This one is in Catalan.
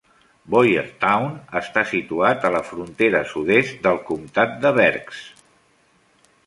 Boyertown està situat a la frontera sud-est del comtat de Berks.